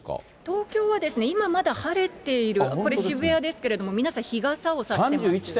東京は今まだ晴れている、これ、渋谷ですけれども、皆さん、日傘を差しています。